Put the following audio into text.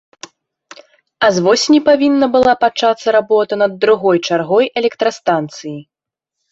А з восені павінна была пачацца работа над другой чаргой электрастанцыі.